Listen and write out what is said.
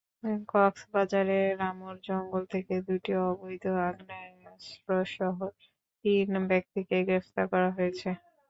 কক্সবাজারের রামুর জঙ্গল থেকে দুটি অবৈধ আগ্নেয়াস্ত্রসহ তিন ব্যক্তিকে গ্রেপ্তার করা হয়েছে।